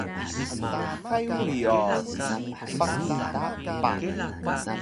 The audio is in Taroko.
uxay uri o smipaq dapa